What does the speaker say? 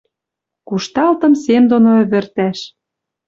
Кушталтым сем доно ӹвӹртӓш.